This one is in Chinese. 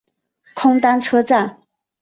空丹车站。